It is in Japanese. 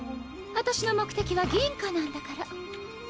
私の目的は銀貨なんだから。